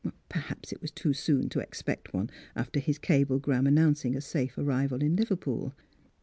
Perhaps it was too soon to expect one, after his cablegram announcing a safe arrival in Liverpool.